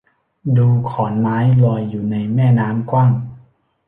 ดูขอนไม้ลอยอยู่ในแม่น้ำกว้าง